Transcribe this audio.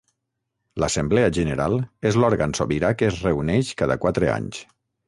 L'Assemblea General és l'òrgan sobirà que es reuneix cada quatre anys.